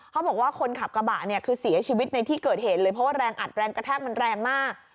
เขาบอกว่าคนขับกระบะเนี่ยคือเสียชีวิตในที่เกิดเหตุเลยเพราะว่าแรงอัดแรงกระแทกมันแรงมาก